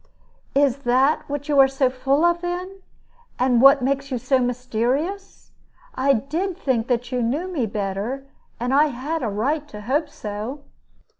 "Is that what you are full of, then, and what makes you so mysterious? I did think that you knew me better, and I had a right to hope so."